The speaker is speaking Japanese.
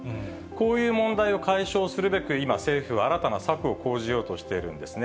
こういう問題を解消するべく、今、政府は新たな策を講じようとしているんですね。